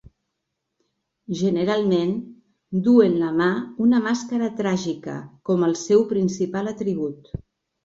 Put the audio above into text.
Generalment, duu en la mà una màscara tràgica com el seu principal atribut.